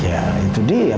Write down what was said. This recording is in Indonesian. ya itu dia